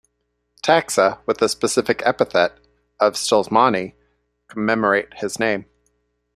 Taxa with the specific epithet of "stolzmanni" commemorate his name.